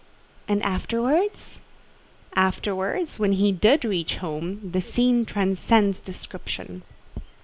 "And afterwards?" "Afterwards—when he did reach home—the scene transcends description."